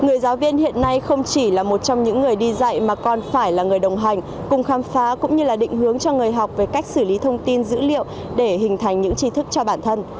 người giáo viên hiện nay không chỉ là một trong những người đi dạy mà còn phải là người đồng hành cùng khám phá cũng như là định hướng cho người học về cách xử lý thông tin dữ liệu để hình thành những trí thức cho bản thân